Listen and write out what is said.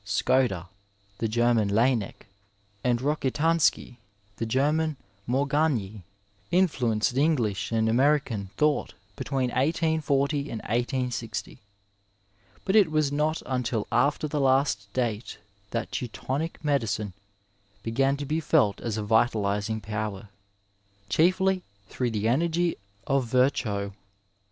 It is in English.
Skoda, the German Labmec and Rokitansky, the German Morgagni, influenced English and American thought between 1840 and 1860, but it was not until after the last date that Teutonic medi cine b^^an to be felt as a vitalizing power, chiefly through the energy of Virohow.